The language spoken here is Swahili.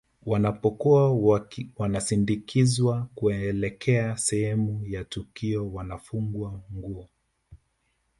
Wanapokuwa wanasindikizwa kuelekea sehemu ya tukio wanafungwa nguo